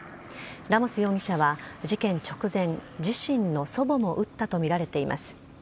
ラモス容疑者は事件直前自身の祖母も撃ったとみられています。